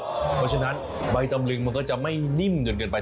เพราะฉะนั้นใบตำลึงมันก็จะไม่นิ่มจนเกินไป